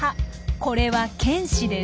これは犬歯です。